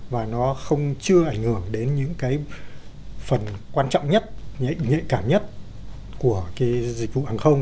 và nó không chưa ảnh hưởng đến những cái phần quan trọng nhất nhạy cảm nhất của cái dịch vụ hàng không